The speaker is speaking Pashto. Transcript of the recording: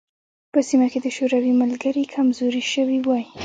په سیمه کې د شوروي ملګري کمزوري شوي وای.